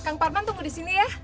kang parman tunggu disini ya